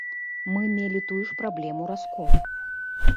Мы мелі тую ж праблему расколу.